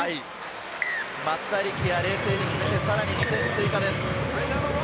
松田力也、冷静に決めて、さらに追加です。